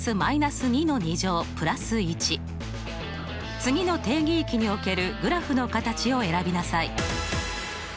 次の定義域におけるグラフの形を選びなさい。